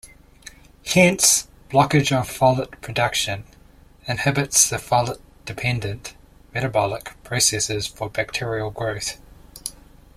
Hence, blockage of folate production inhibits the folate-dependent metabolic processes for bacterial growth.